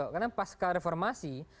kalau misalnya pasca reformasi